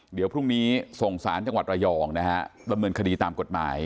เดี๋ยวพรุ่งนี้ส่งสารจังหวัดระยองนะฮะดำเนินคดีตามกฎหมาย